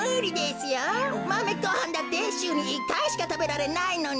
マメごはんだってしゅうに１かいしかたべられないのに。